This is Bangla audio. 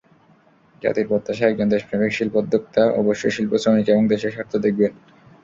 জাতির প্রত্যাশা একজন দেশপ্রেমিক শিল্পোদ্যোক্তা অবশ্যই শিল্প, শ্রমিক এবং দেশের স্বার্থ দেখবেন।